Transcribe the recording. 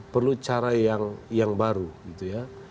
perlu cara yang baru gitu ya